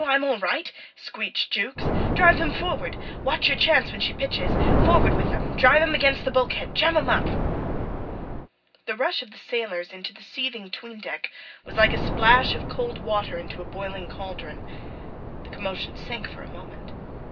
I am all right," screeched Jukes. "Drive them forward. Watch your chance when she pitches. Forward with 'em. Drive them against the bulkhead. Jam 'em up." The rush of the sailors into the seething 'tween deck was like a splash of cold water into a boiling cauldron. The commotion sank for a moment.